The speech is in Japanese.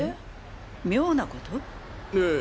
ええ。